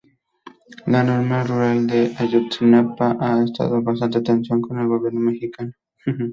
La Normal Rural de Ayotzinapa ha estado en constante tensión con el gobierno mexicano.